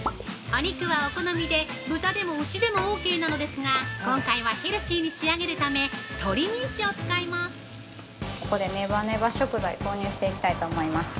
◆お肉はお好みで豚でも牛でもオーケーなのですが今回はヘルシーに仕上げるため鶏ミンチを使います。